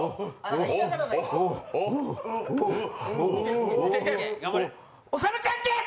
お、お、おさむちゃんです！